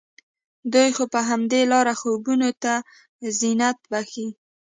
دوی خو په همدې لاره خوبونو ته زينت بښي